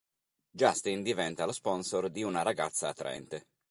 Justin diventa lo sponsor di una ragazza attraente.